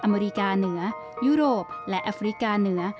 อเมริกาเหนือยุโรปและแอฟริกาเหนือ